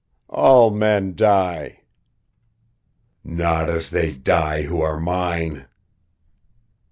"All men die." "Not as they die who are mine."